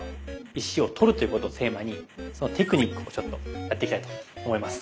石を取るということをテーマにそのテクニックをちょっとやっていきたいと思います。